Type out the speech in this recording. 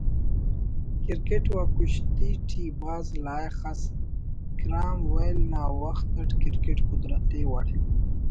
کرکٹ و کشتی ٹی بھاز لائخ ئس کرام ویل نا وخت اٹ کرکٹ قدرتی وڑ